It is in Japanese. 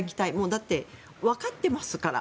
だって、わかっていますから。